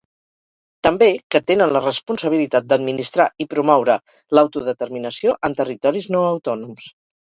També que tenen la responsabilitat d'administrar i promoure l'autodeterminació en territoris no autònoms.